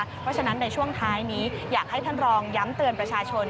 เพราะฉะนั้นในช่วงท้ายนี้อยากให้ท่านรองย้ำเตือนประชาชน